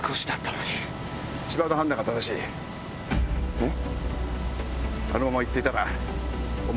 えっ？